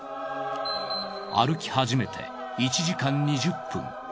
歩き始めて１時間２０分。